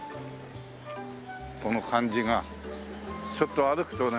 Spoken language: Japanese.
この感じがちょっと歩くとね。